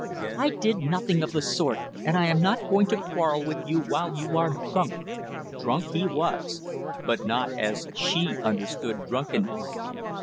"I did nothing of the sort, and I am not going to quarrel with you while you are drunk!" Drunk he was, but not as she understood drunkenness.